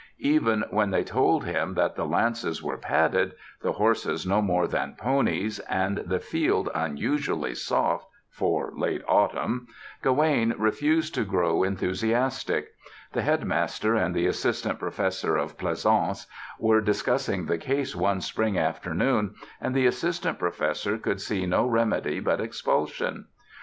Even when they told him that the lances were padded, the horses no more than ponies and the field unusually soft for late autumn, Gawaine refused to grow enthusiastic. The Headmaster and the Assistant Professor of Pleasaunce were discussing the case one spring afternoon and the Assistant Professor could see no remedy but expulsion.